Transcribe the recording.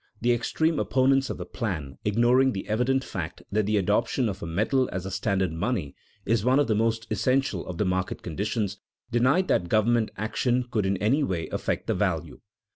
The extreme opponents of the plan, ignoring the evident fact that the adoption of a metal as a standard money is one of the most essential of the market conditions, denied that government action could in any way affect the value.